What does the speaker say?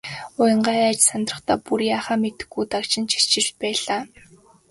Уянгаа айж сандрахдаа бүр яахаа мэдэхгүй дагжин чичирч байлаа.